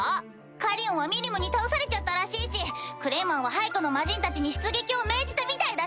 カリオンはミリムに倒されちゃったらしいしクレイマンは配下の魔人たちに出撃を命じたみたいだし！